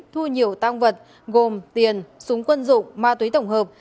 thu nhiều tăng vật gồm tiền súng quân dụng ma túy tổng hợp